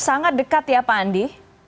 sangat dekat ya pak andi